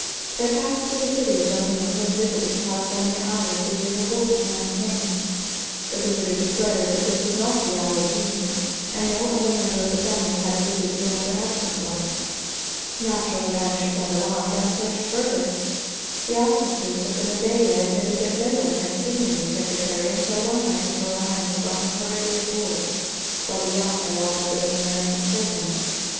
There passed through the city a gentleman who had visited the California Allards a year before this man came here. The visitor declared that this was not the Allard he knew, and no other member of the family had alluded to another absent one. Naturally anxious and alarmed, I searched further. The officers of the Nadeja admitted that no one had seen the new secretary until one night his Royal Highness brought him hurriedly aboard, while the yacht lay opposite an American prison.